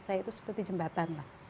saya itu seperti jembatan